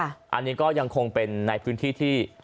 อันนี้ก็ยังคงเป็นในพื้นที่ที่